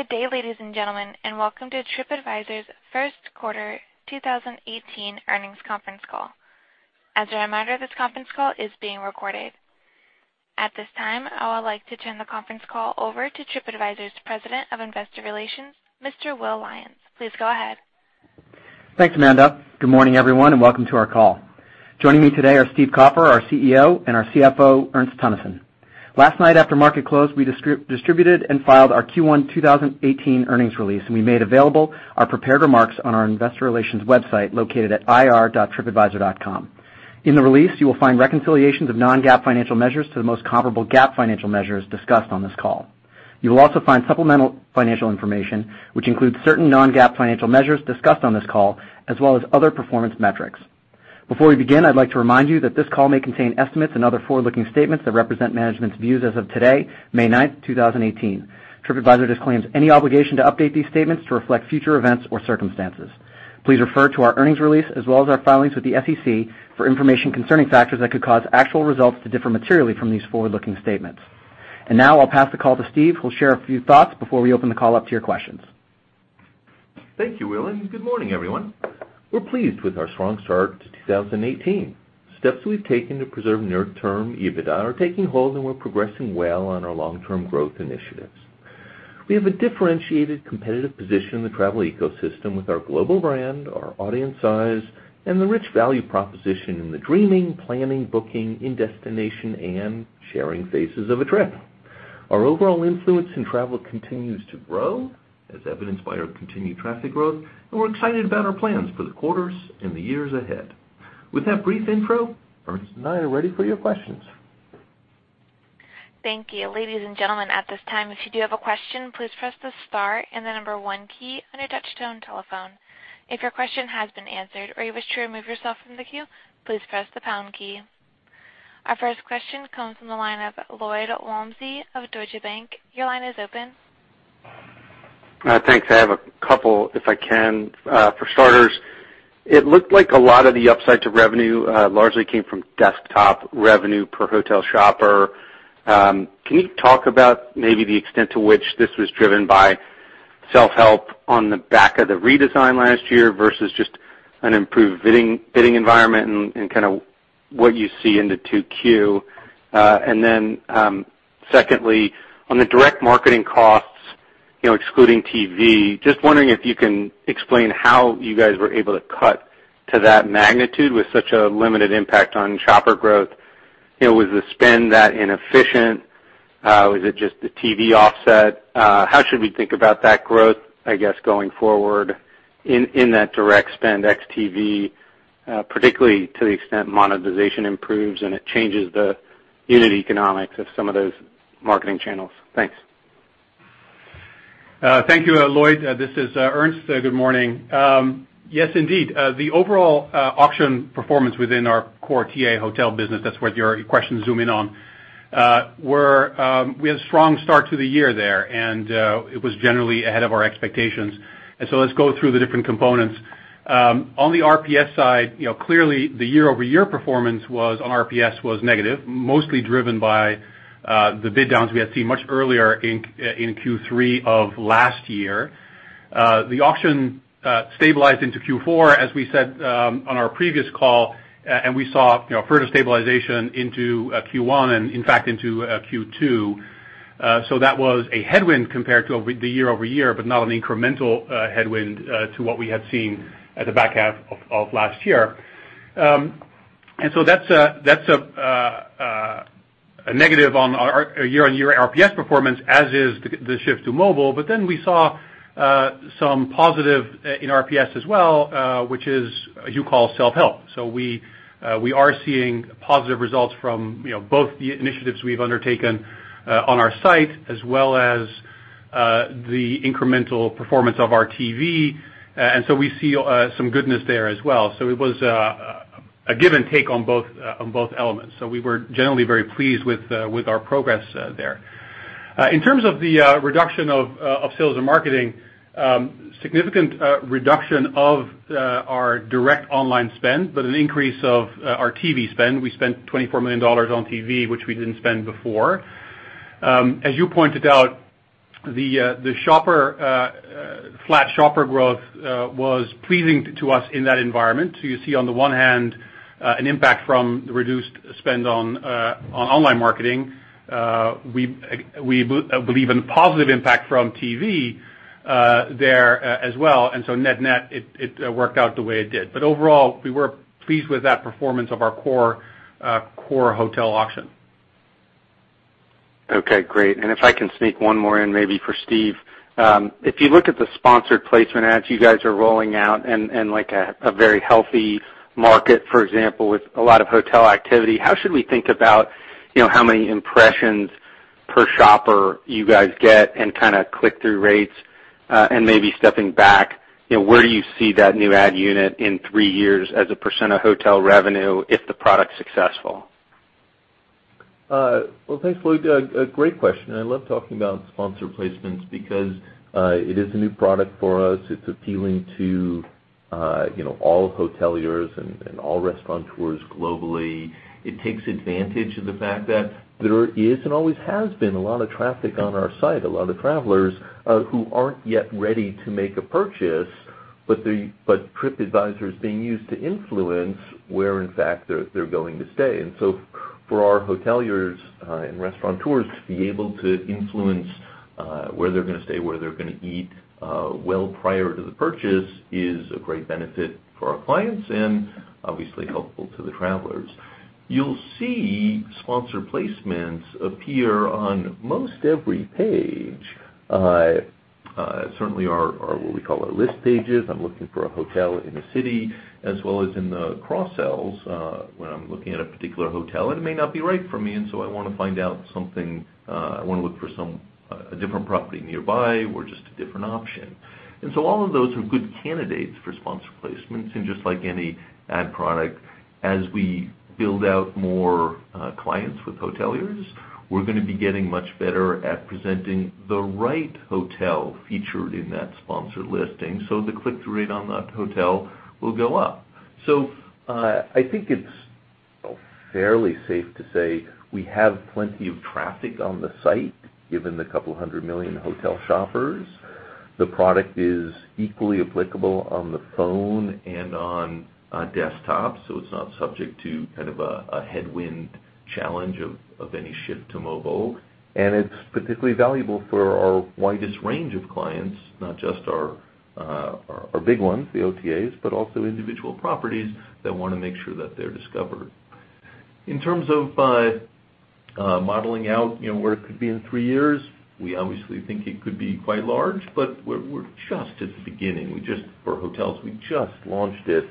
Good day, ladies and gentlemen, welcome to TripAdvisor's first quarter 2018 earnings conference call. As a reminder, this conference call is being recorded. At this time, I would like to turn the conference call over to TripAdvisor's President of Investor Relations, Mr. Will Lyons. Please go ahead. Thanks, Amanda. Good morning, everyone, welcome to our call. Joining me today are Stephen Kaufer, our CEO, and our CFO, Ernst Teunissen. Last night after market close, we distributed and filed our Q1 2018 earnings release, and we made available our prepared remarks on our investor relations website located at ir.tripadvisor.com. In the release, you will find reconciliations of non-GAAP financial measures to the most comparable GAAP financial measures discussed on this call. You will also find supplemental financial information, which includes certain non-GAAP financial measures discussed on this call, as well as other performance metrics. Before we begin, I'd like to remind you that this call may contain estimates and other forward-looking statements that represent management's views as of today, May 9th, 2018. TripAdvisor disclaims any obligation to update these statements to reflect future events or circumstances. Please refer to our earnings release as well as our filings with the SEC for information concerning factors that could cause actual results to differ materially from these forward-looking statements. Now I'll pass the call to Steve, who'll share a few thoughts before we open the call up to your questions. Thank you, Will, good morning, everyone. We're pleased with our strong start to 2018. Steps we've taken to preserve near-term EBITDA are taking hold, and we're progressing well on our long-term growth initiatives. We have a differentiated competitive position in the travel ecosystem with our global brand, our audience size, and the rich value proposition in the dreaming, planning, booking, in-destination, and sharing phases of a trip. Our overall influence in travel continues to grow, as evidenced by our continued traffic growth, and we're excited about our plans for the quarters and the years ahead. With that brief intro, Ernst and I are ready for your questions. Thank you. Ladies and gentlemen, at this time, if you do have a question, please press the star and the number one key on your touch-tone telephone. If your question has been answered or you wish to remove yourself from the queue, please press the pound key. Our first question comes from the line of Lloyd Walmsley of Deutsche Bank. Your line is open. Thanks. I have a couple if I can. For starters, it looked like a lot of the upside to revenue largely came from desktop revenue per hotel shopper. Can you talk about maybe the extent to which this was driven by self-help on the back of the redesign last year versus just an improved bidding environment and what you see in the 2Q? Secondly, on the direct marketing costs excluding TV, just wondering if you can explain how you guys were able to cut to that magnitude with such a limited impact on shopper growth. Was the spend that inefficient? Was it just the TV offset? How should we think about that growth, I guess, going forward in that direct spend ex TV particularly to the extent monetization improves and it changes the unit economics of some of those marketing channels? Thanks. Thank you, Lloyd. This is Ernst. Good morning. Indeed. The overall auction performance within our core TA hotel business, that's what your questions zoom in on, we had a strong start to the year there, and it was generally ahead of our expectations. Let's go through the different components. On the RPS side, clearly the year-over-year performance on RPS was negative, mostly driven by the bid downs we had seen much earlier in Q3 of last year. The auction stabilized into Q4, as we said on our previous call, and we saw further stabilization into Q1 and in fact into Q2. That was a headwind compared to the year-over-year, but not an incremental headwind to what we had seen at the back half of last year. That's a negative on our year-on-year RPS performance, as is the shift to mobile. We saw some positive in RPS as well, which is as you call self-help. We are seeing positive results from both the initiatives we've undertaken on our site as well as the incremental performance of our TV. We see some goodness there as well. It was a give and take on both elements. We were generally very pleased with our progress there. In terms of the reduction of sales and marketing, significant reduction of our direct online spend, but an increase of our TV spend. We spent $24 million on TV, which we didn't spend before. As you pointed out, the flat shopper growth was pleasing to us in that environment. You see on the one hand an impact from the reduced spend on online marketing. Net, it worked out the way it did. Overall, we were pleased with that performance of our core hotel auction. Okay, great. If I can sneak one more in maybe for Steve. If you look at the sponsored placement ads you guys are rolling out in a very healthy market, for example, with a lot of hotel activity, how should we think about how many impressions per shopper you guys get and click-through rates? Maybe stepping back, where do you see that new ad unit in three years as a percent of hotel revenue if the product's successful? Well, thanks, Lloyd. A great question, I love talking about Sponsored Placements because it is a new product for us. It's appealing to all hoteliers and all restaurateurs globally. It takes advantage of the fact that there is and always has been a lot of traffic on our site, a lot of travelers who aren't yet ready to make a purchase, but TripAdvisor is being used to influence where in fact they're going to stay. For our hoteliers and restaurateurs to be able to influence where they're going to stay, where they're going to eat well prior to the purchase is a great benefit for our clients and obviously helpful to the travelers. You'll see Sponsored Placements appear on most every page. Certainly our, what we call our list pages. I'm looking for a hotel in the city, as well as in the cross-sells, when I'm looking at a particular hotel and it may not be right for me, I want to find out something, I want to look for a different property nearby or just a different option. All of those are good candidates for Sponsored Placements, just like any ad product, as we build out more clients with hoteliers, we're going to be getting much better at presenting the right hotel featured in that sponsored listing, so the click-through rate on that hotel will go up. I think it's fairly safe to say we have plenty of traffic on the site, given the couple of hundred million hotel shoppers. The product is equally applicable on the phone and on desktop, it's not subject to a headwind challenge of any shift to mobile. It's particularly valuable for our widest range of clients. Not just our big ones, the OTAs, but also individual properties that want to make sure that they're discovered. In terms of modeling out where it could be in three years, we obviously think it could be quite large, but we're just at the beginning. For hotels, we just launched it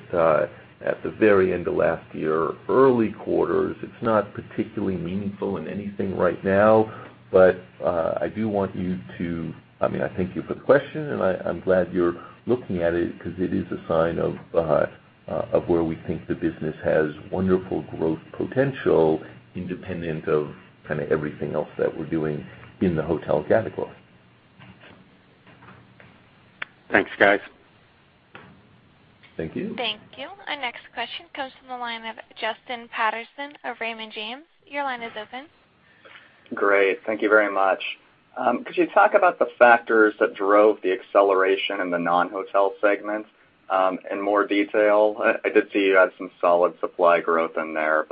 at the very end of last year, early quarters. It's not particularly meaningful in anything right now, but thank you for the question, and I'm glad you're looking at it because it is a sign of where we think the business has wonderful growth potential independent of everything else that we're doing in the hotel category. Thanks, guys. Thank you. Thank you. Our next question comes from the line of Justin Patterson of Raymond James. Your line is open. Great. Thank you very much. Could you talk about the factors that drove the acceleration in the non-hotel segment in more detail? I did see you had some solid supply growth in there,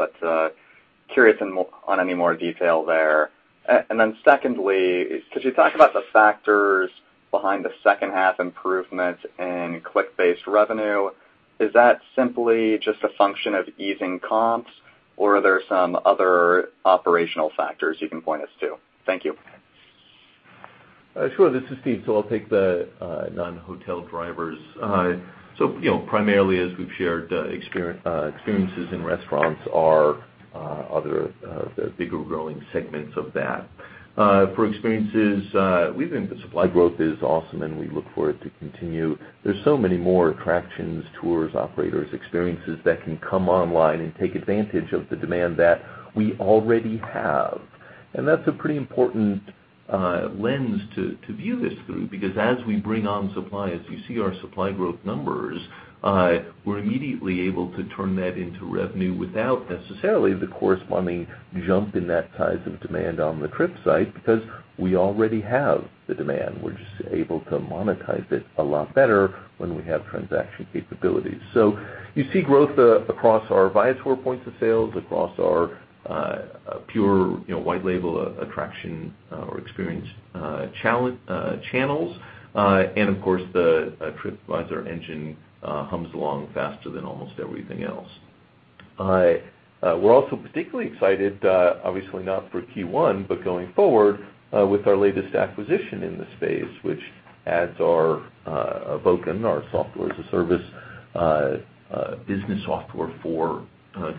curious on any more detail there. Secondly, could you talk about the factors behind the second half improvement in click-based revenue? Is that simply just a function of easing comps or are there some other operational factors you can point us to? Thank you. Sure. This is Steve. I'll take the non-hotel drivers. Primarily as we've shared, experiences and restaurants are other bigger growing segments of that. For experiences, we think the supply growth is awesome and we look for it to continue. There's so many more attractions, tours, operators, experiences that can come online and take advantage of the demand that we already have. That's a pretty important lens to view this through, because as we bring on suppliers, you see our supply growth numbers, we're immediately able to turn that into revenue without necessarily the corresponding jump in that size of demand on the TripAdvisor site because we already have the demand. We're just able to monetize it a lot better when we have transaction capabilities. You see growth across our Viator points of sales, across our pure white label attraction or experience channels. Of course, the TripAdvisor engine hums along faster than almost everything else. We're also particularly excited, obviously not for Q1, but going forward, with our latest acquisition in the space, which adds our Bokun, our software as a service business software for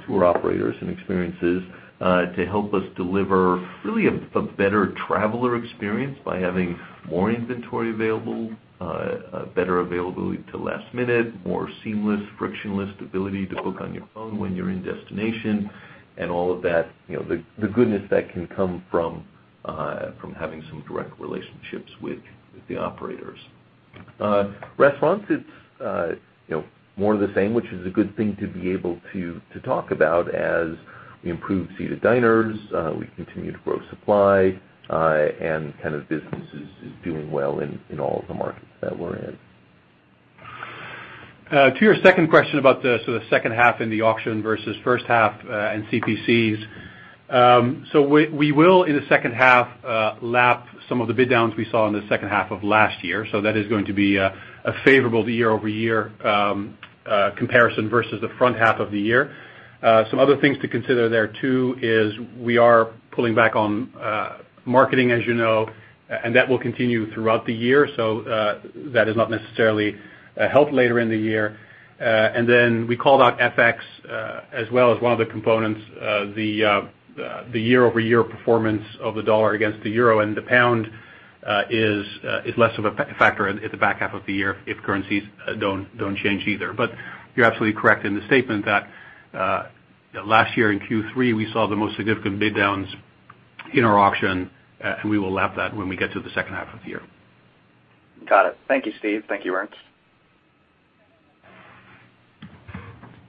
tour operators and experiences, to help us deliver really a better traveler experience by having more inventory available, better availability to last minute, more seamless frictionless ability to book on your phone when you're in destination, and all of the goodness that can come from having some direct relationships with the operators. Restaurants, it's more of the same, which is a good thing to be able to talk about as we improve seated diners, we continue to grow supply, and business is doing well in all of the markets that we're in. To your second question about the second half in the auction versus first half in CPCs. We will, in the second half, lap some of the bid downs we saw in the second half of last year, so that is going to be a favorable year-over-year comparison versus the front half of the year. Some other things to consider there too is we are pulling back on marketing, as you know, and that will continue throughout the year. That is not necessarily a help later in the year. We called out FX as well as one of the components, the year-over-year performance of the dollar against the EUR and the GBP is less of a factor in the back half of the year if currencies don't change either. You're absolutely correct in the statement that last year in Q3 we saw the most significant bid downs in our auction, and we will lap that when we get to the second half of the year. Got it. Thank you, Steve. Thank you, Ernst.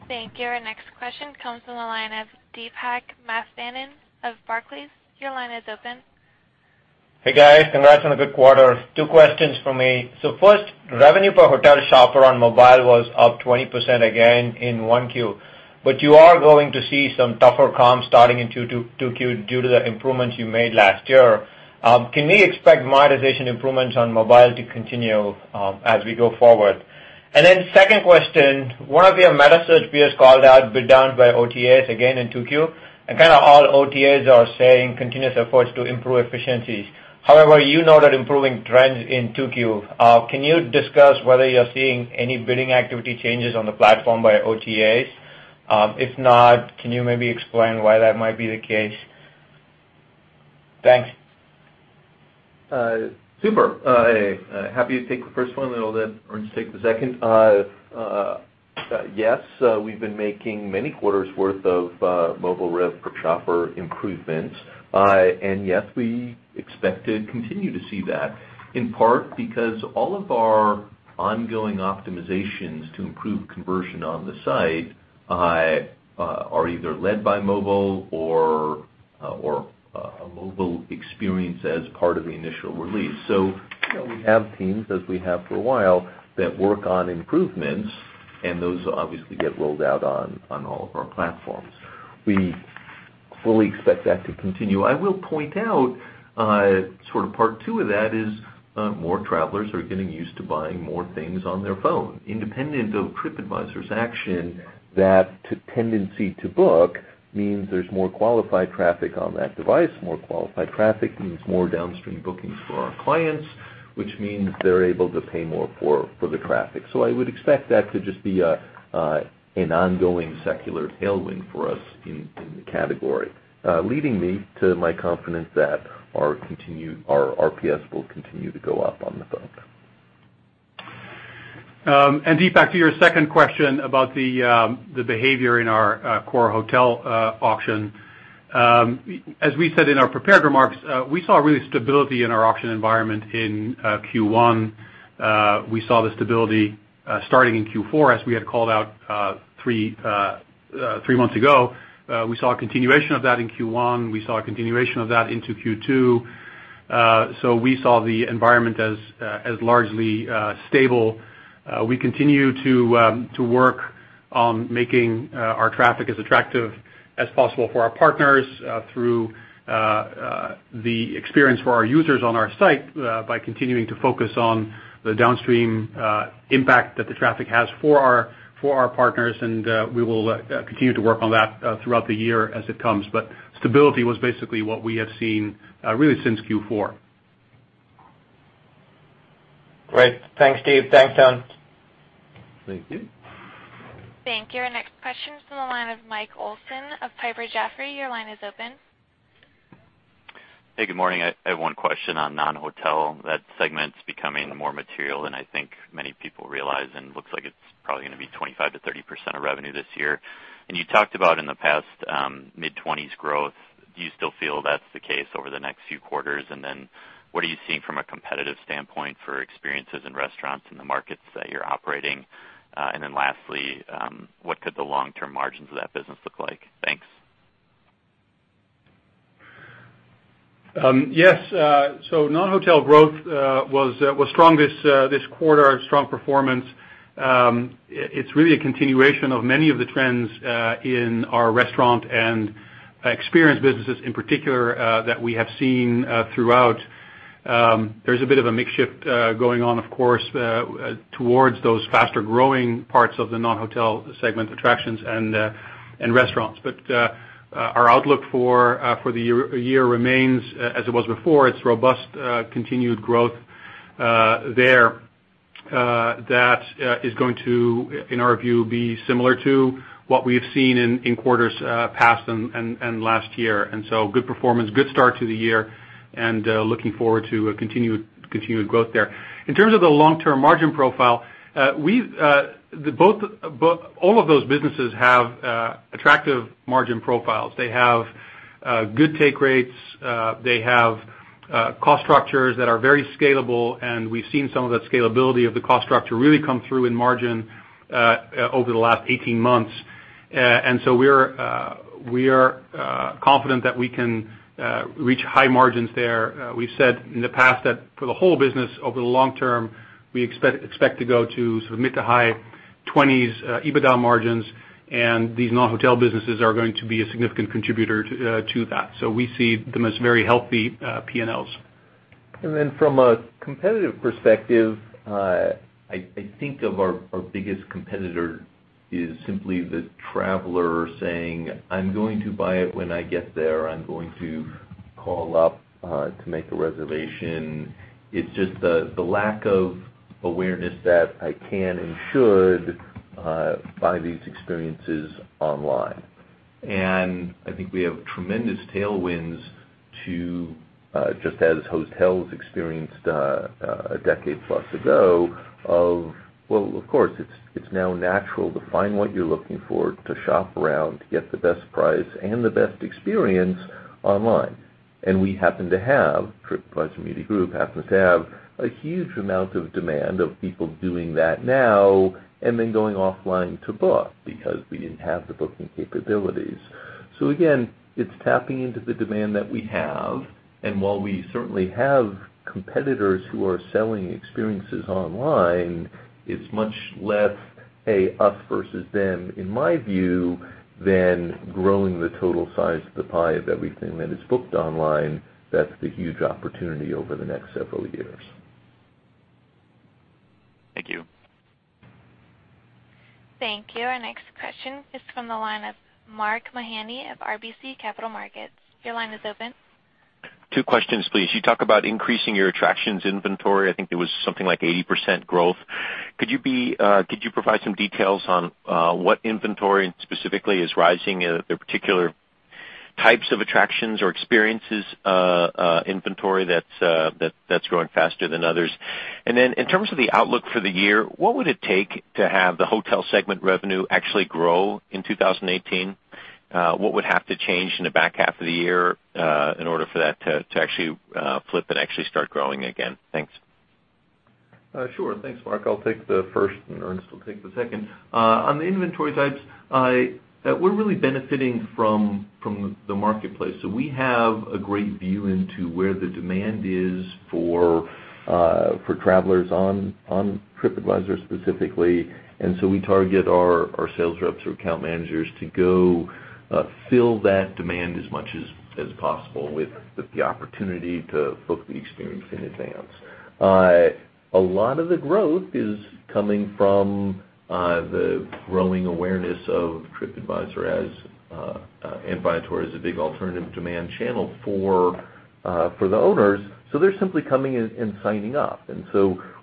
Thank you. Our next question comes from the line of Deepak Mathivanan of Barclays. Your line is open. Hey, guys. Congrats on a good quarter. Two questions from me. First, revenue per hotel shopper on mobile was up 20% again in 1Q, you are going to see some tougher comps starting in 2Q due to the improvements you made last year. Can we expect monetization improvements on mobile to continue as we go forward? Second question, one of your meta search peers called out bid down by OTAs again in 2Q, all OTAs are saying continuous efforts to improve efficiencies. However, you noted improving trends in 2Q. Can you discuss whether you're seeing any bidding activity changes on the platform by OTAs? If not, can you maybe explain why that might be the case? Thanks. Super. Happy to take the first one, and I'll let Ernst take the second. Yes, we've been making many quarters' worth of mobile rev per shopper improvements. Yes, we expect to continue to see that, in part because all of our ongoing optimizations to improve conversion on the site are either led by mobile or a mobile experience as part of the initial release. We have teams, as we have for a while, that work on improvements, and those obviously get rolled out on all of our platforms. We fully expect that to continue. I will point out sort of part 2 of that is more travelers are getting used to buying more things on their phone. Independent of TripAdvisor's action, that tendency to book means there's more qualified traffic on that device. More qualified traffic means more downstream bookings for our clients, which means they're able to pay more for the traffic. I would expect that to just be an ongoing secular tailwind for us in the category, leading me to my confidence that our RPS will continue to go up on the phone. Deepak, to your second question about the behavior in our core hotel auction. As we said in our prepared remarks, we saw really stability in our auction environment in Q1. We saw the stability starting in Q4, as we had called out three months ago. We saw a continuation of that in Q1. We saw a continuation of that into Q2. We saw the environment as largely stable. We continue to work on making our traffic as attractive as possible for our partners through the experience for our users on our site by continuing to focus on the downstream impact that the traffic has for our partners, and we will continue to work on that throughout the year as it comes. Stability was basically what we have seen really since Q4. Great. Thanks, Steve. Thanks, Ernst. Thank you. Thank you. Our next question is from the line of Michael Olson of Piper Jaffray. Your line is open. Hey, good morning. I have one question on non-hotel. That segment's becoming more material than I think many people realize, and looks like it's probably going to be 25%-30% of revenue this year. You talked about in the past mid-20s growth. Do you still feel that's the case over the next few quarters? What are you seeing from a competitive standpoint for experiences in restaurants in the markets that you're operating? Lastly, what could the long-term margins of that business look like? Thanks. Yes. Non-hotel growth was strong this quarter, a strong performance. It's really a continuation of many of the trends in our restaurant and experience businesses in particular that we have seen throughout. There's a bit of a mix shift going on, of course, towards those faster-growing parts of the non-hotel segment, attractions and restaurants. Our outlook for the year remains as it was before. It's robust continued growth there that is going to, in our view, be similar to what we have seen in quarters past and last year. Good performance, good start to the year, and looking forward to continued growth there. In terms of the long-term margin profile, all of those businesses have attractive margin profiles. They have good take rates. They have cost structures that are very scalable, we've seen some of that scalability of the cost structure really come through in margin over the last 18 months. We are confident that we can reach high margins there. We've said in the past that for the whole business over the long term, we expect to go to sort of mid to high 20s EBITDA margins, and these non-hotel businesses are going to be a significant contributor to that. We see them as very healthy P&Ls. From a competitive perspective, I think of our biggest competitor is simply the traveler saying, "I'm going to buy it when I get there. I'm going to call up to make a reservation." It's just the lack of awareness that I can and should buy these experiences online. I think we have tremendous tailwinds to Just as hotels experienced a decade plus ago of, well, of course, it's now natural to find what you're looking for, to shop around to get the best price and the best experience online. TripAdvisor Media Group happens to have a huge amount of demand of people doing that now and then going offline to book because we didn't have the booking capabilities. Again, it's tapping into the demand that we have, and while we certainly have competitors who are selling experiences online, it's much less a us versus them, in my view, than growing the total size of the pie of everything that is booked online. That's the huge opportunity over the next several years. Thank you. Thank you. Our next question is from the line of Mark Mahaney of RBC Capital Markets. Your line is open. Two questions, please. You talk about increasing your attractions inventory. I think it was something like 80% growth. Could you provide some details on what inventory, and specifically is rising, the particular types of attractions or experiences inventory that's growing faster than others? In terms of the outlook for the year, what would it take to have the hotel segment revenue actually grow in 2018? What would have to change in the back half of the year in order for that to actually flip and actually start growing again? Thanks. Sure. Thanks, Mark. I'll take the first, Ernst will take the second. On the inventory side, we're really benefiting from the marketplace, we have a great view into where the demand is for travelers on TripAdvisor specifically, we target our sales reps or account managers to go fill that demand as much as possible with the opportunity to book the experience in advance. A lot of the growth is coming from the growing awareness of TripAdvisor as a big alternative demand channel for the owners, they're simply coming in and signing up.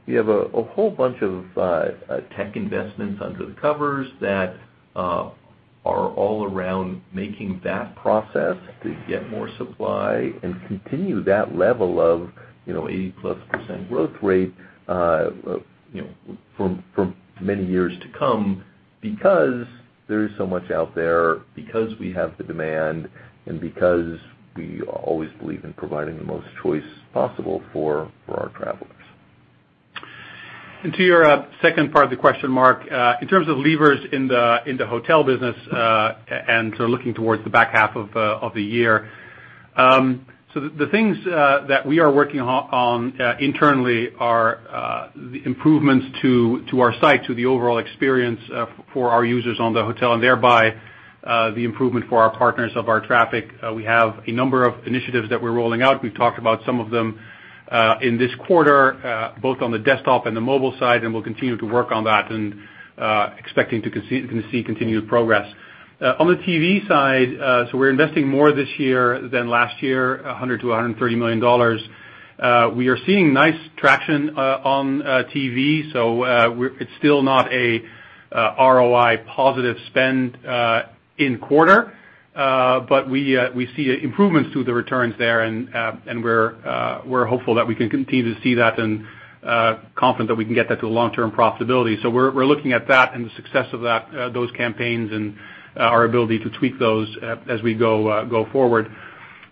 We have a whole bunch of tech investments under the covers that are all around making that process to get more supply and continue that level of 80-plus% growth rate for many years to come because there is so much out there, because we have the demand, and because we always believe in providing the most choice possible for our travelers. To your second part of the question, Mark, in terms of levers in the hotel business and sort of looking towards the back half of the year. The things that we are working on internally are the improvements to our site, to the overall experience for our users on the hotel, and thereby the improvement for our partners of our traffic. We have a number of initiatives that we're rolling out. We've talked about some of them in this quarter, both on the desktop and the mobile side, and we'll continue to work on that and expecting to see continued progress. On the TV side, we're investing more this year than last year, $100 million-$130 million. We are seeing nice traction on TV, it's still not a ROI positive spend in quarter, we see improvements to the returns there, and we're hopeful that we can continue to see that and confident that we can get that to a long-term profitability. We're looking at that and the success of those campaigns and our ability to tweak those as we go forward.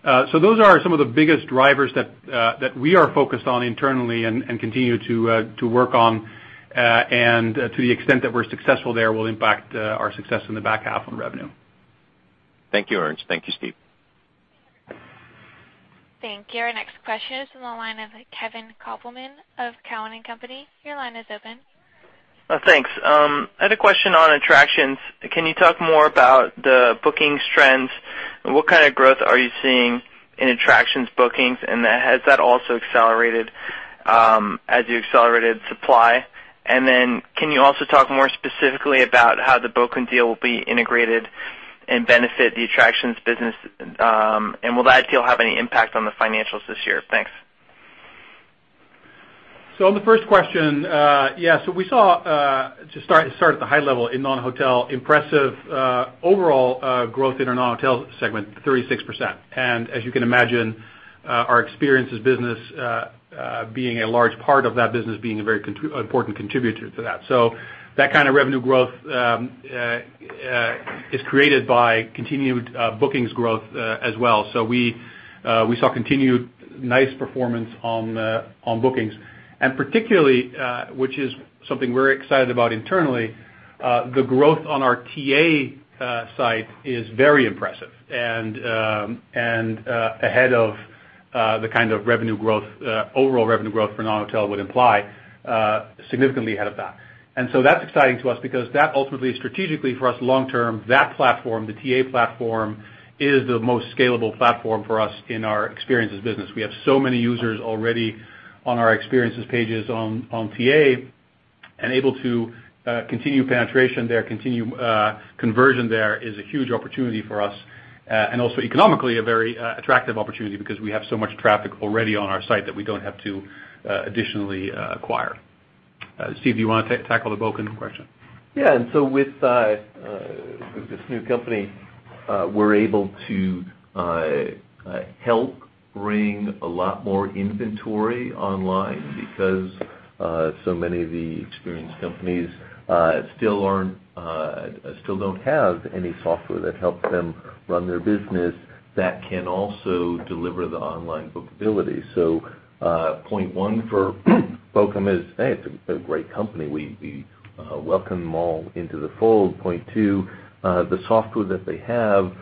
Those are some of the biggest drivers that we are focused on internally and continue to work on, and to the extent that we're successful there will impact our success in the back half on revenue. Thank you, Ernst. Thank you, Steve. Thank you. Our next question is from the line of Kevin Kopelman of Cowen and Company. Your line is open. Thanks. I had a question on attractions. Can you talk more about the bookings trends, what kind of growth are you seeing in attractions bookings, and has that also accelerated as you accelerated supply? Can you also talk more specifically about how the Bokun deal will be integrated and benefit the attractions business, and will that deal have any impact on the financials this year? Thanks. On the first question, we saw, to start at the high level in non-hotel, impressive overall growth in our non-hotel segment, 36%. As you can imagine, our experiences business being a large part of that business being a very important contributor to that. That kind of revenue growth is created by continued bookings growth as well. We saw continued nice performance on bookings, and particularly, which is something we're excited about internally, the growth on our TA site is very impressive and ahead of the kind of overall revenue growth for non-hotel would imply, significantly ahead of that. That's exciting to us because that ultimately strategically for us long term, that platform, the TA platform, is the most scalable platform for us in our experiences business. We have so many users already on our experiences pages on TA and able to continue penetration there, continue conversion there is a huge opportunity for us, and also economically a very attractive opportunity because we have so much traffic already on our site that we don't have to additionally acquire. Steve, do you want to tackle the Bokun question? Yeah. With this new company, we're able to help bring a lot more inventory online because so many of the experienced companies still don't have any software that helps them run their business that can also deliver the online bookability. Point one for Bokun is, hey, it's a great company. We welcome them all into the fold. Point two, the software that they have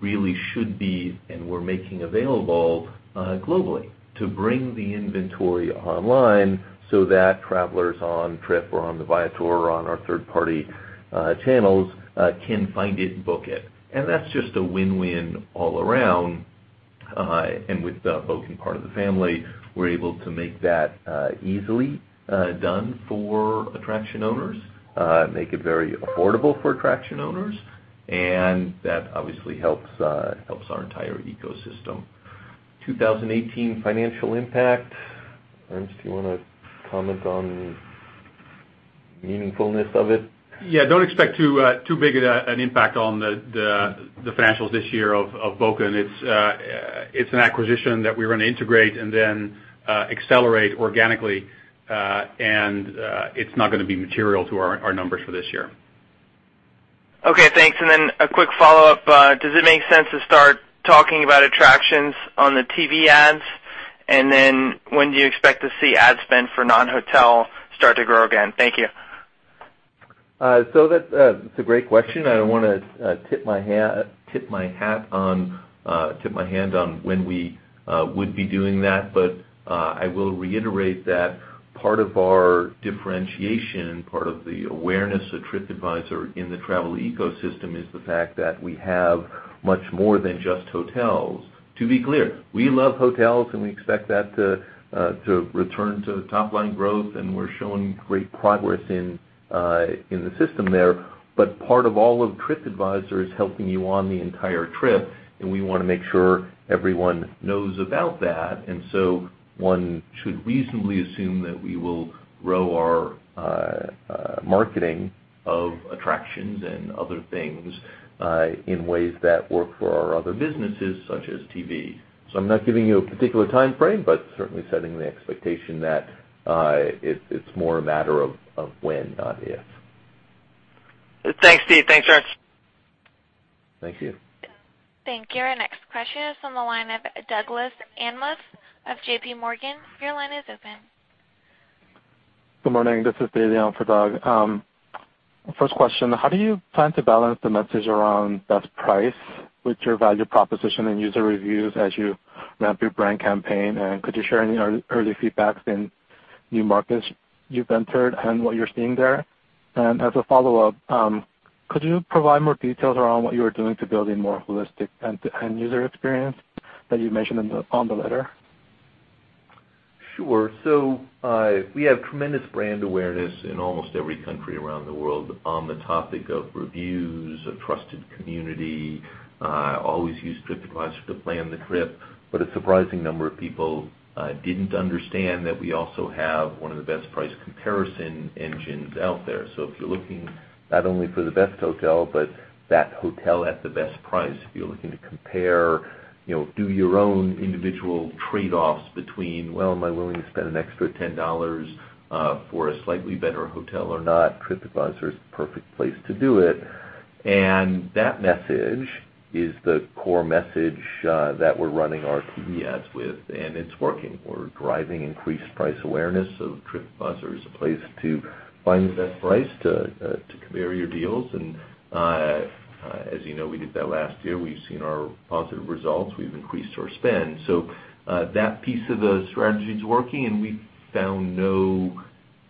really should be, and we're making available globally to bring the inventory online so that travelers on Trip or on the Viator or on our third-party channels can find it and book it. That's just a win-win all around. With Bokun part of the family, we're able to make that easily done for attraction owners, make it very affordable for attraction owners, and that obviously helps our entire ecosystem. 2018 financial impact. Ernst, do you want to comment on the meaningfulness of it? Yeah, don't expect too big an impact on the financials this year of Bokun. It's an acquisition that we're going to integrate and then accelerate organically, it's not going to be material to our numbers for this year. Okay, thanks. A quick follow-up. Does it make sense to start talking about attractions on the TV ads? When do you expect to see ad spend for non-hotel start to grow again? Thank you. That's a great question, and I don't want to tip my hand on when we would be doing that. I will reiterate that part of our differentiation, part of the awareness of TripAdvisor in the travel ecosystem is the fact that we have much more than just hotels. To be clear, we love hotels, and we expect that to return to top-line growth, and we're showing great progress in the system there. Part of all of TripAdvisor is helping you on the entire trip, and we want to make sure everyone knows about that. One should reasonably assume that we will grow our marketing of attractions and other things in ways that work for our other businesses, such as TV. I'm not giving you a particular timeframe, but certainly setting the expectation that it's more a matter of when, not if. Thanks, Steve. Thanks, Ernst. Thank you. Thank you. Our next question is on the line of Douglas Anmuth of JPMorgan. Your line is open. Good morning. This is [Dave Young] for Doug. First question, how do you plan to balance the message around best price with your value proposition and user reviews as you ramp your brand campaign? Could you share any early feedbacks in new markets you've entered and what you're seeing there? As a follow-up, could you provide more details around what you are doing to build a more holistic end-to-end user experience that you mentioned on the letter? Sure. We have tremendous brand awareness in almost every country around the world on the topic of reviews, a trusted community, always use TripAdvisor to plan the trip. A surprising number of people didn't understand that we also have one of the best price comparison engines out there. If you're looking not only for the best hotel, but that hotel at the best price, if you're looking to compare, do your own individual trade-offs between, well, am I willing to spend an extra $10 for a slightly better hotel or not, TripAdvisor is the perfect place to do it. That message is the core message that we're running our TV ads with, and it's working. We're driving increased price awareness of TripAdvisor as a place to find the best price, to compare your deals. As you know, we did that last year. We've seen our positive results. We've increased our spend. That piece of the strategy is working, and we've found no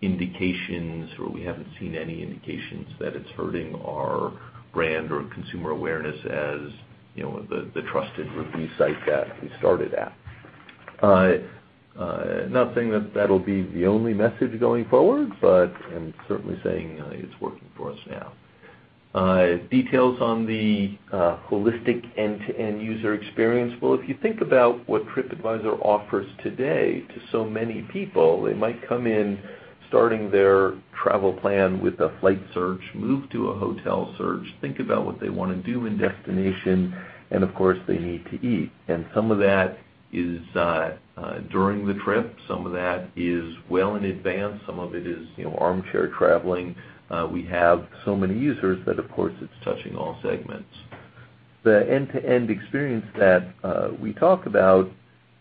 indications, or we haven't seen any indications that it's hurting our brand or consumer awareness as the trusted review site that we started as. Not saying that that'll be the only message going forward, but am certainly saying it's working for us now. Details on the holistic end-to-end user experience. Well, if you think about what TripAdvisor offers today to so many people, they might come in starting their travel plan with a flight search, move to a hotel search, think about what they want to do in destination, of course, they need to eat. Some of that is during the trip, some of that is well in advance, some of it is armchair traveling. We have so many users that of course, it's touching all segments. The end-to-end experience that we talk about,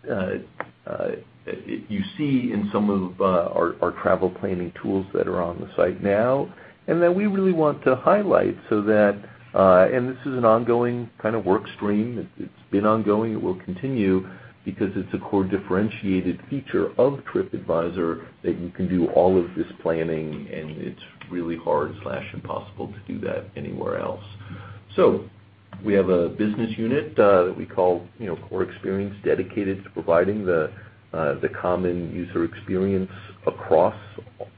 you see in some of our travel planning tools that are on the site now, that we really want to highlight so that this is an ongoing kind of work stream. It's been ongoing. It will continue because it's a core differentiated feature of TripAdvisor that you can do all of this planning, and it's really hard/impossible to do that anywhere else. We have a business unit that we call Core Experience dedicated to providing the common user experience across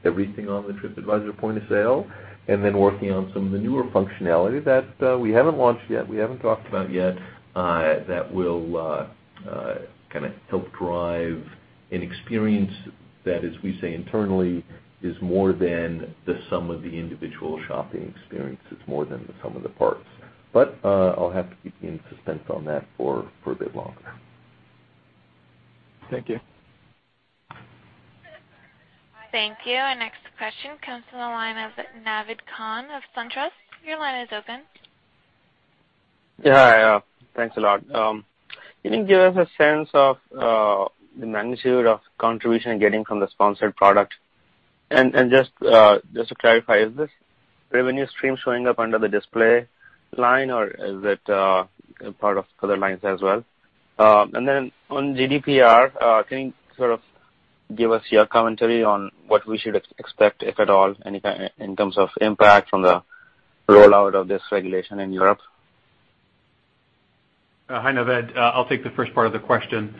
everything on the TripAdvisor point of sale, then working on some of the newer functionality that we haven't launched yet, we haven't talked about yet, that will help drive an experience that, as we say internally, is more than the sum of the individual shopping experience. It's more than the sum of the parts. I'll have to keep you in suspense on that for a bit longer. Thank you. Thank you. Our next question comes from the line of Naved Khan of SunTrust. Your line is open. Thanks a lot. Can you give us a sense of the magnitude of contribution you're getting from the sponsored product? And just to clarify, is this revenue stream showing up under the Display line, or is it part of other lines as well? And then on GDPR, can you give us your commentary on what we should expect, if at all, in terms of impact from the rollout of this regulation in Europe? Hi, Naved. I'll take the first part of the question.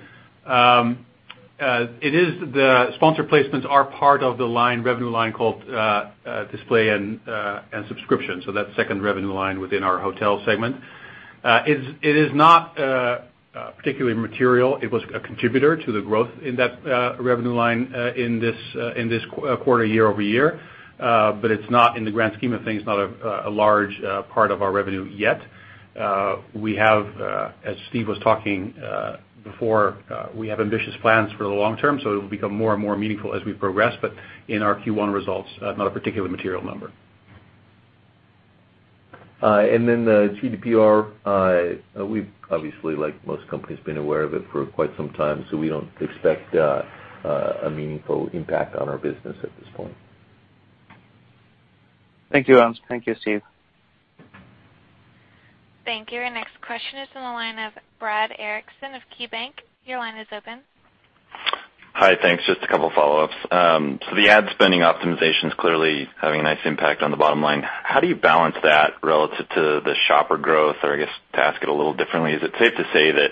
The sponsor placements are part of the revenue line called Display and Subscription, so that second revenue line within our hotel segment. It is not particularly material. It was a contributor to the growth in that revenue line in this quarter year-over-year, in the grand scheme of things, not a large part of our revenue yet. As Steve was talking before, we have ambitious plans for the long term, so it'll become more and more meaningful as we progress. In our Q1 results, not a particularly material number. The GDPR, we've obviously, like most companies, been aware of it for quite some time, so we don't expect a meaningful impact on our business at this point. Thank you, Ernst. Thank you, Steve. Thank you. Our next question is on the line of Brad Erickson of KeyBanc. Your line is open. Hi, thanks. Just a couple follow-ups. The ad spending optimization's clearly having a nice impact on the bottom line. How do you balance that relative to the shopper growth? Or I guess to ask it a little differently, is it safe to say that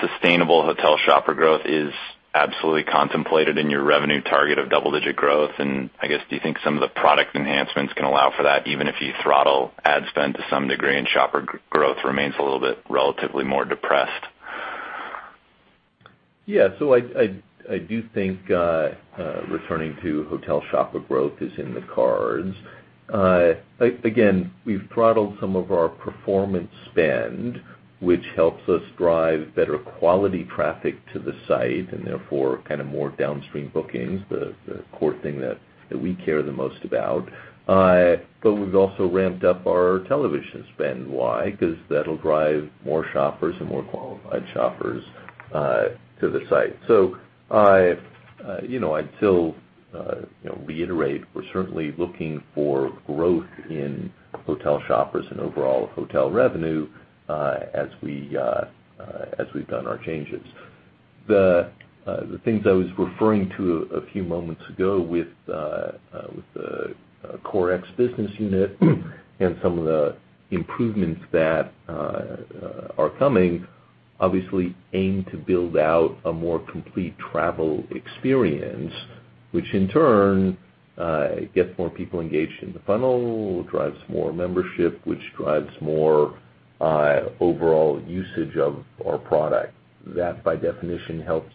sustainable hotel shopper growth is absolutely contemplated in your revenue target of double-digit growth? And I guess, do you think some of the product enhancements can allow for that even if you throttle ad spend to some degree and shopper growth remains a little bit relatively more depressed? Yeah. I do think returning to hotel shopper growth is in the cards. Again, we've throttled some of our performance spend, which helps us drive better quality traffic to the site, and therefore more downstream bookings, the core thing that we care the most about. We've also ramped up our television spend. Why? Because that'll drive more shoppers and more qualified shoppers to the site. I'd still reiterate, we're certainly looking for growth in hotel shoppers and overall hotel revenue as we've done our changes. The things I was referring to a few moments ago with the CoreX business unit and some of the improvements that are coming obviously aim to build out a more complete travel experience, which in turn gets more people engaged in the funnel, drives more membership, which drives more overall usage of our product. That, by definition, helps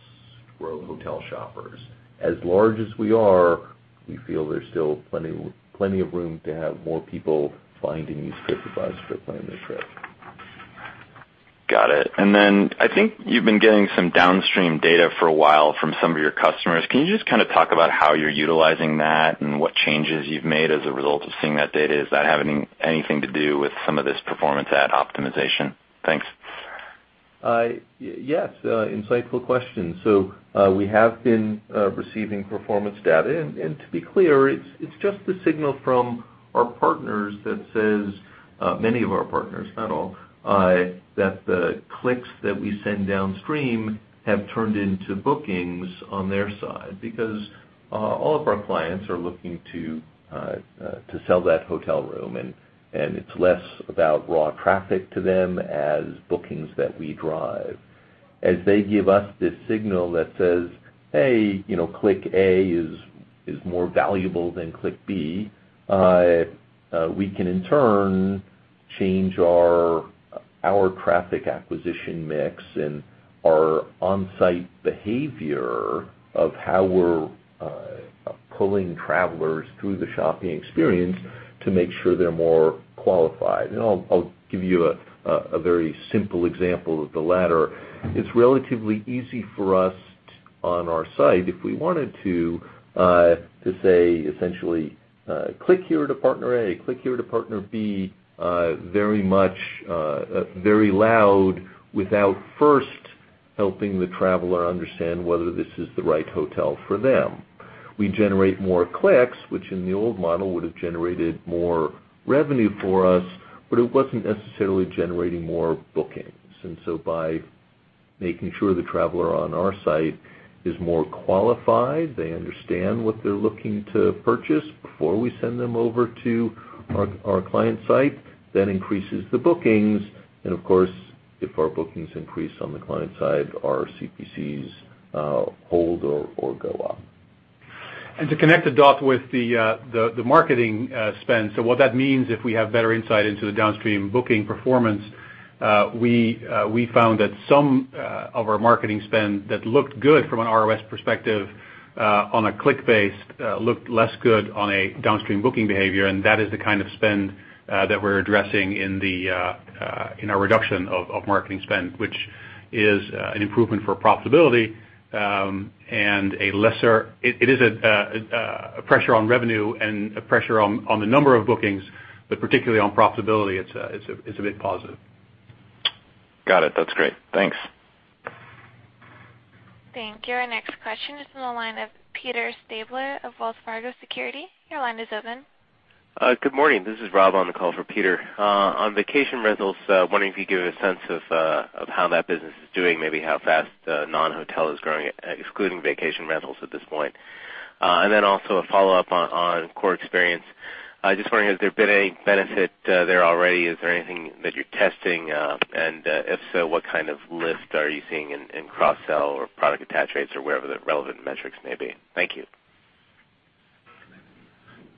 grow hotel shoppers. As large as we are, we feel there's still plenty of room to have more people find and use TripAdvisor to plan their trip. Got it. I think you've been getting some downstream data for a while from some of your customers. Can you just talk about how you're utilizing that and what changes you've made as a result of seeing that data? Does that have anything to do with some of this performance ad optimization? Thanks. Yes. Insightful question. We have been receiving performance data, to be clear, it's just the signal from our partners that says, many of our partners, not all, that the clicks that we send downstream have turned into bookings on their side because all of our clients are looking to sell that hotel room, and it's less about raw traffic to them as bookings that we drive. As they give us this signal that says, "Hey, click A is more valuable than click B," we can in turn change our traffic acquisition mix and our on-site behavior of how we're pulling travelers through the shopping experience to make sure they're more qualified. I'll give you a very simple example of the latter. It's relatively easy for us on our site, if we wanted to say essentially, "Click here to partner A, click here to partner B," very loud, without first helping the traveler understand whether this is the right hotel for them. We generate more clicks, which in the old model would've generated more revenue for us, but it wasn't necessarily generating more bookings. By making sure the traveler on our site is more qualified, they understand what they're looking to purchase before we send them over to our client site. That increases the bookings, and of course, if our bookings increase on the client side, our CPCs hold or go up. To connect the dot with the marketing spend. What that means, if we have better insight into the downstream booking performance, we found that some of our marketing spend that looked good from an ROS perspective on a click base, looked less good on a downstream booking behavior, and that is the kind of spend that we're addressing in our reduction of marketing spend, which is an improvement for profitability, and it is a pressure on revenue and a pressure on the number of bookings, but particularly on profitability, it's a bit positive. Got it. That's great. Thanks. Thank you. Our next question is on the line of Peter Stabler of Wells Fargo Securities. Your line is open. Good morning. This is Rob on the call for Peter. Wondering if you could give a sense of how that business is doing, maybe how fast non-hotel is growing, excluding vacation rentals at this point. Also a follow-up on Core Experience. Wondering, has there been any benefit there already? Is there anything that you're testing? If so, what kind of lift are you seeing in cross-sell or product attach rates or wherever the relevant metrics may be? Thank you.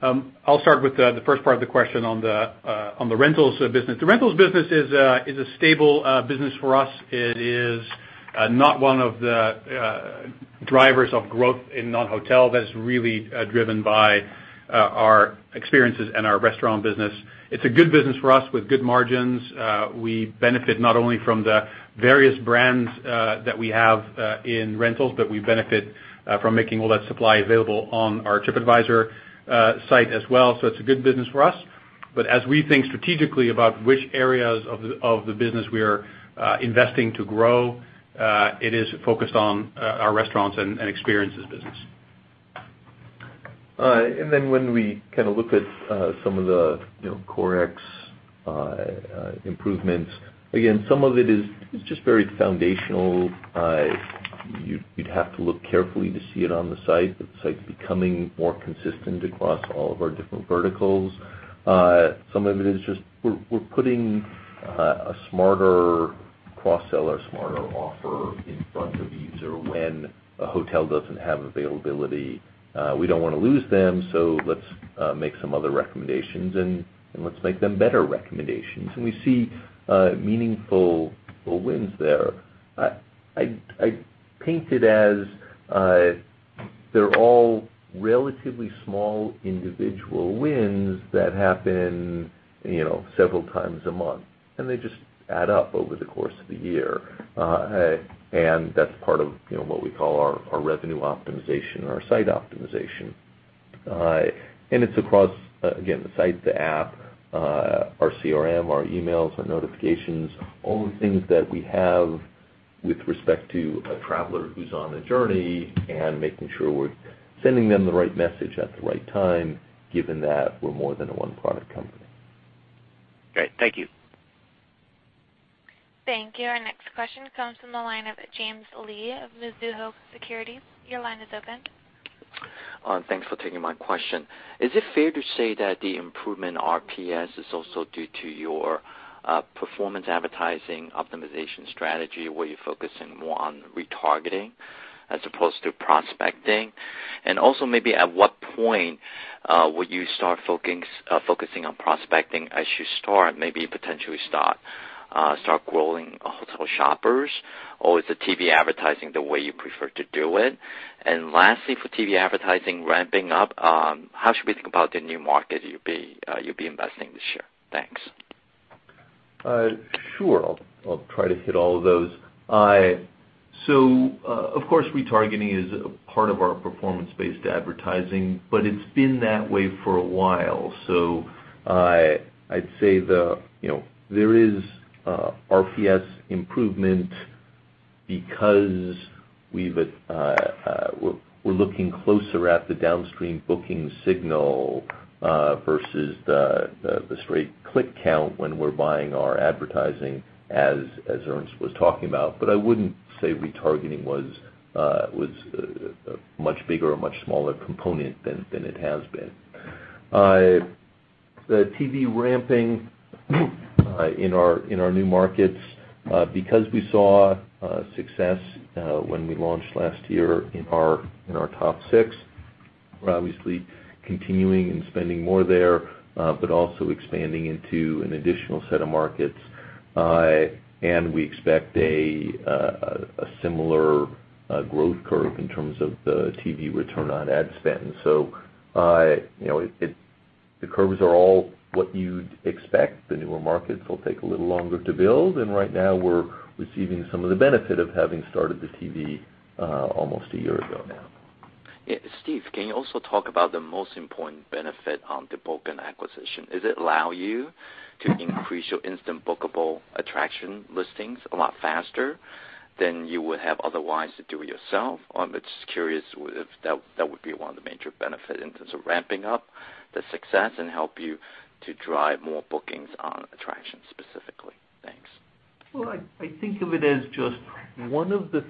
I'll start with the first part of the question on the rentals business. The rentals business is a stable business for us. It is not one of the drivers of growth in non-hotel. That is really driven by our experiences and our restaurant business. It's a good business for us with good margins. We benefit not only from the various brands that we have in rentals, but we benefit from making all that supply available on our TripAdvisor site as well. It's a good business for us. As we think strategically about which areas of the business we are investing to grow, it is focused on our restaurants and experiences business. When we look at some of the CoreX improvements, again, some of it is just very foundational. You'd have to look carefully to see it on the site. The site's becoming more consistent across all of our different verticals. Some of it is just we're putting a smarter cross-sell or smarter offer in front of the user when a hotel doesn't have availability. We don't want to lose them, let's make some other recommendations, let's make them better recommendations. We see meaningful wins there. I paint it as they're all relatively small individual wins that happen several times a month, and they just add up over the course of the year. That's part of what we call our revenue optimization or our site optimization. It's across, again, the site, the app, our CRM, our emails, our notifications, all the things that we have with respect to a traveler who's on a journey and making sure we're sending them the right message at the right time, given that we're more than a one-product company. Great. Thank you. Thank you. Our next question comes from the line of James Lee of Mizuho Securities. Your line is open. Thanks for taking my question. Is it fair to say that the improvement RPS is also due to your performance advertising optimization strategy, where you're focusing more on retargeting as opposed to prospecting? Also maybe at what point will you start focusing on prospecting as you start, maybe potentially start growing hotel shoppers? Is the TV advertising the way you prefer to do it? Lastly, for TV advertising ramping up, how should we think about the new market you'll be investing this year? Thanks. Sure. I'll try to hit all of those. Of course, retargeting is a part of our performance-based advertising, but it's been that way for a while. I'd say there is RPS improvement because we're looking closer at the downstream booking signal versus the straight click count when we're buying our advertising, as Ernst was talking about. I wouldn't say retargeting was a much bigger or much smaller component than it has been. The TV ramping in our new markets, because we saw success when we launched last year in our top six, we're obviously continuing and spending more there, but also expanding into an additional set of markets. We expect a similar growth curve in terms of the TV return on ad spend. The curves are all what you'd expect. The newer markets will take a little longer to build. Right now we're receiving some of the benefit of having started the TV almost a year ago now. Yeah. Steve, can you also talk about the most important benefit on the Bokun acquisition? Does it allow you to increase your instant bookable attraction listings a lot faster than you would have otherwise to do it yourself? I'm just curious if that would be one of the major benefit in terms of ramping up the success and help you to drive more bookings on attraction specifically? Well, I think of it as just one of the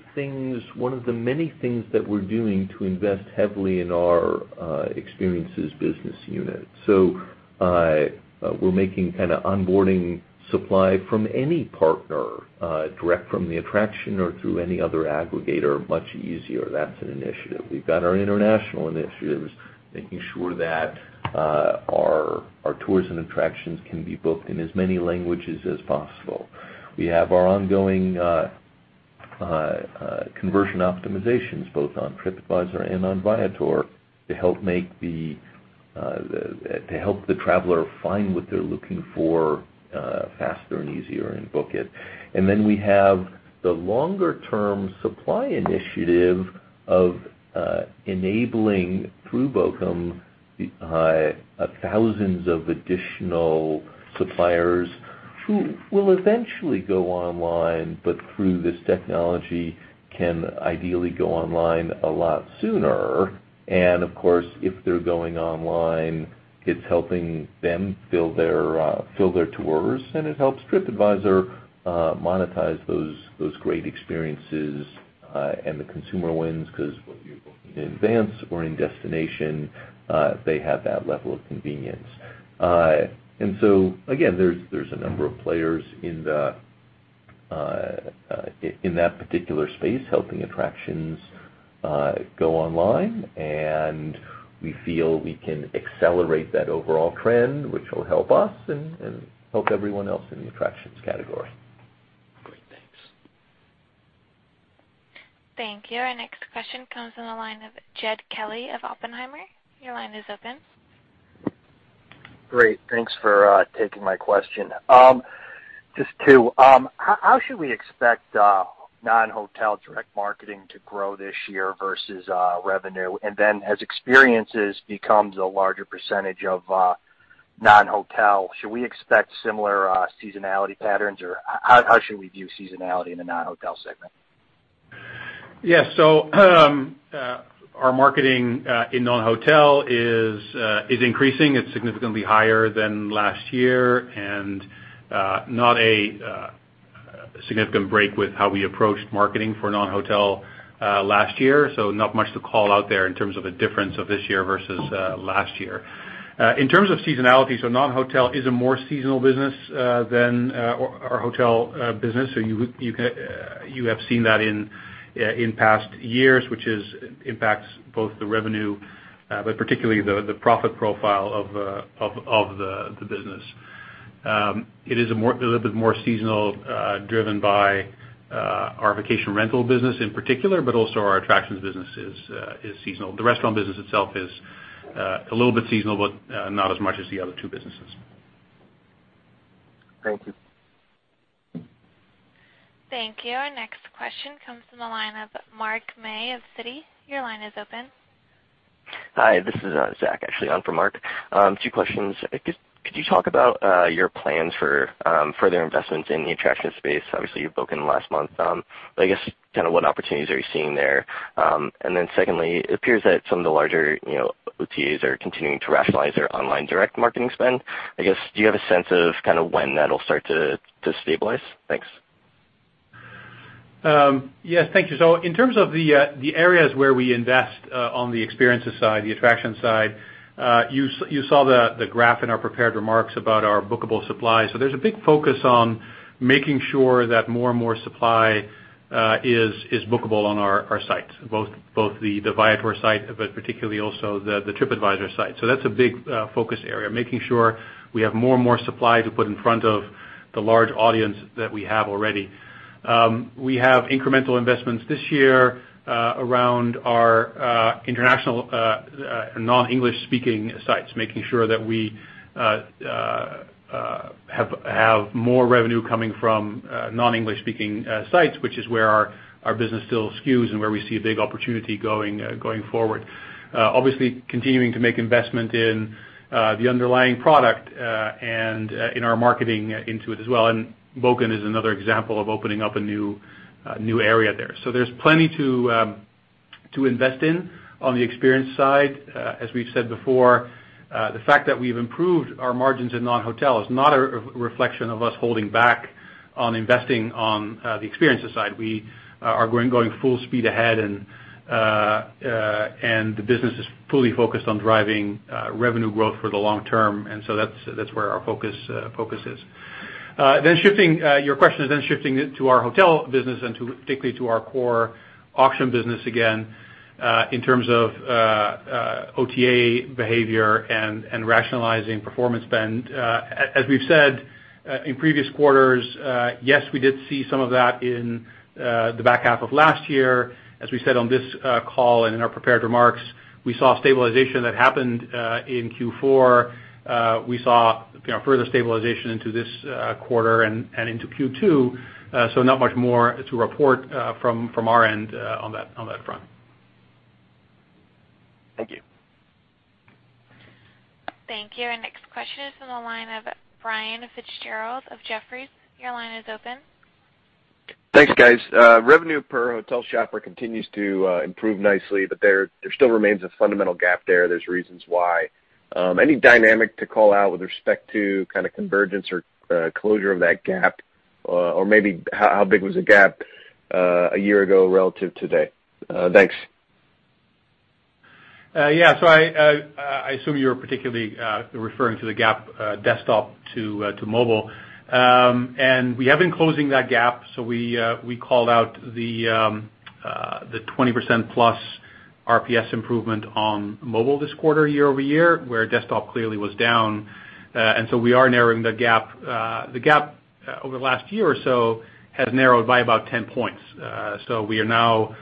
many things that we're doing to invest heavily in our experiences business unit. We're making onboarding supply from any partner, direct from the attraction or through any other aggregator, much easier. That's an initiative. We've got our international initiatives, making sure that our tours and attractions can be booked in as many languages as possible. We have our ongoing conversion optimizations, both on TripAdvisor and on Viator, to help the traveler find what they're looking for faster and easier and book it. We have the longer-term supply initiative of enabling, through Bokun, thousands of additional suppliers who will eventually go online, but through this technology can ideally go online a lot sooner. Of course, if they're going online, it's helping them fill their tours, and it helps TripAdvisor monetize those great experiences, and the consumer wins because whether you book in advance or in destination, they have that level of convenience. Again, there's a number of players in that particular space helping attractions go online, and we feel we can accelerate that overall trend, which will help us and help everyone else in the attractions category. Great. Thanks. Thank you. Our next question comes on the line of Jed Kelly of Oppenheimer. Your line is open. Great. Thanks for taking my question. Just two. As experiences becomes a larger percentage of non-hotel, should we expect similar seasonality patterns, or how should we view seasonality in the non-hotel segment? Yes. Our marketing in non-hotel is increasing. It's significantly higher than last year, and not a significant break with how we approached marketing for non-hotel last year. Not much to call out there in terms of a difference of this year versus last year. In terms of seasonality, non-hotel is a more seasonal business than our hotel business. You have seen that in past years, which impacts both the revenue, but particularly the profit profile of the business. It is a little bit more seasonal, driven by our vacation rental business in particular, but also our attractions business is seasonal. The restaurant business itself is a little bit seasonal, but not as much as the other two businesses. Thank you. Thank you. Our next question comes from the line of Mark May of Citi. Your line is open. Hi, this is Zach actually on for Mark. Two questions. Could you talk about your plans for further investments in the attraction space? Obviously, you've Bokun last month, but I guess what opportunities are you seeing there? Secondly, it appears that some of the larger OTAs are continuing to rationalize their online direct marketing spend. I guess, do you have a sense of when that'll start to stabilize? Thanks. Yes. Thank you. In terms of the areas where we invest on the experiences side, the attraction side, you saw the graph in our prepared remarks about our bookable supply. There's a big focus on making sure that more and more supply is bookable on our sites, both the Viator site, but particularly also the TripAdvisor site. That's a big focus area, making sure we have more and more supply to put in front of the large audience that we have already. We have incremental investments this year around our international non-English speaking sites, making sure that we have more revenue coming from non-English speaking sites, which is where our business still skews and where we see a big opportunity going forward. Obviously, continuing to make investment in the underlying product, and in our marketing into it as well, Bokun is another example of opening up a new area there. There's plenty to invest in on the experience side. As we've said before, the fact that we've improved our margins in non-hotel is not a reflection of us holding back on investing on the experiences side. We are going full speed ahead and the business is fully focused on driving revenue growth for the long term. That's where our focus is. Your question is then shifting to our hotel business and particularly to our core auction business again, in terms of OTA behavior and rationalizing performance spend. As we've said in previous quarters, yes, we did see some of that in the back half of last year. As we said on this call and in our prepared remarks, we saw stabilization that happened in Q4. We saw further stabilization into this quarter and into Q2, not much more to report from our end on that front. Thank you. Thank you. Our next question is on the line of Brian Fitzgerald of Jefferies. Your line is open. Thanks, guys. Revenue per hotel shopper continues to improve nicely, there still remains a fundamental gap there. There's reasons why. Any dynamic to call out with respect to convergence or closure of that gap? Maybe how big was the gap a year ago relative to today? Thanks. Yeah. I assume you're particularly referring to the gap desktop to mobile, we have been closing that gap. We called out the 20% plus RPS improvement on mobile this quarter year-over-year, where desktop clearly was down. We are narrowing the gap. The gap over the last year or so has narrowed by about 10 points. We are now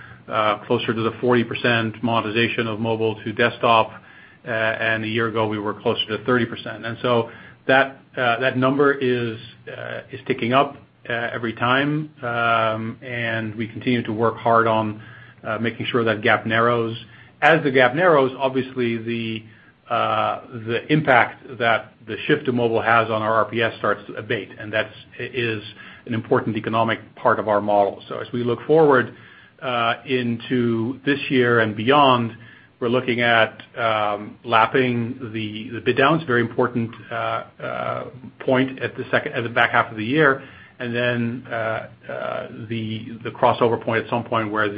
closer to the 40% monetization of mobile to desktop, a year ago we were closer to 30%. That number is ticking up every time, we continue to work hard on making sure that gap narrows. As the gap narrows, obviously the impact that the shift to mobile has on our RPS starts to abate, that is an important economic part of our model. As we look forward into this year beyond, we're looking at lapping the bid down. It's a very important point at the back half of the year, the crossover point at some point where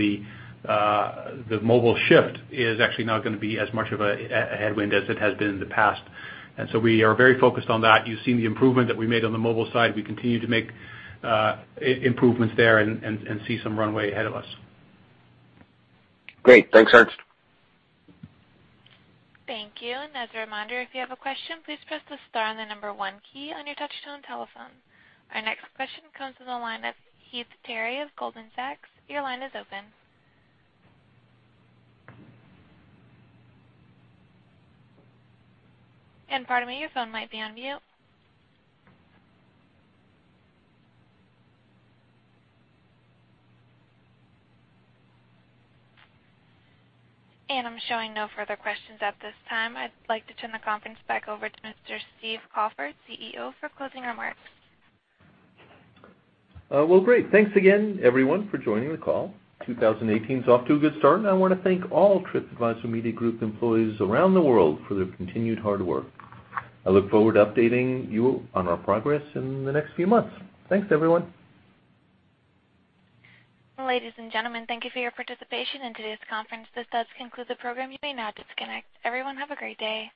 the mobile shift is actually not going to be as much of a headwind as it has been in the past. We are very focused on that. You've seen the improvement that we made on the mobile side. We continue to make improvements there, see some runway ahead of us. Great. Thanks, Ernst. Thank you. As a reminder, if you have a question, please press the star and the number one key on your touchtone telephone. Our next question comes from the line of Heath Terry of Goldman Sachs. Your line is open. Pardon me, your phone might be on mute. I'm showing no further questions at this time. I'd like to turn the conference back over to Mr. Stephen Kaufer, CEO, for closing remarks. Well, great. Thanks again, everyone, for joining the call. 2018 is off to a good start, and I want to thank all TripAdvisor Media Group employees around the world for their continued hard work. I look forward to updating you on our progress in the next few months. Thanks, everyone. Ladies and gentlemen, thank you for your participation in today's conference. This does conclude the program. You may now disconnect. Everyone, have a great day.